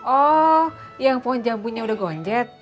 oh yang pohon jambunya udah goncet